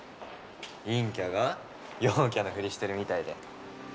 隠キャが陽キャのフリしてるみたいで。